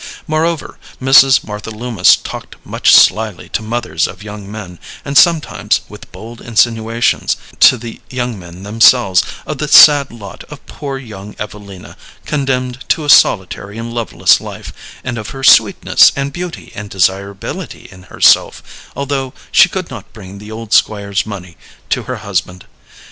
Moreover, Mrs. Martha Loomis talked much slyly to mothers of young men, and sometimes with bold insinuations to the young men themselves, of the sad lot of poor young Evelina, condemned to a solitary and loveless life, and of her sweetness and beauty and desirability in herself, although she could not bring the old Squire's money to her husband.